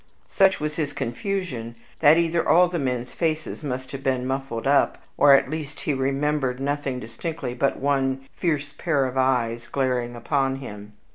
Such was his confusion, that either all the men's faces must have been muffled up, or at least he remembered nothing distinctly but one fierce pair of eyes glaring upon him.